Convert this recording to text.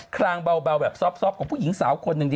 ครางเบาแบบซอฟต์ของผู้หญิงสาวคน